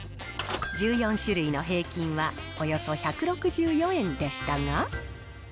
１４種類の平均はおよそ１６４円でしたが。